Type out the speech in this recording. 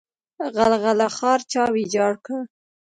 غلغله ښار چا ویجاړ کړ؟